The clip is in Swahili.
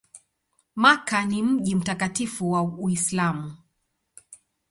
Makka ni mji mtakatifu wa Uislamu.